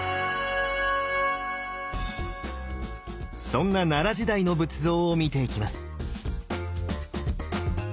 そんな奈良時代の仏像を見ていきます。